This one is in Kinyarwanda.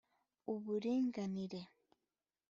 uburinganire